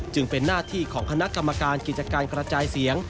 จึงเป็นหน้าที่ของคณะกรรมการกิจการกระจายเสียง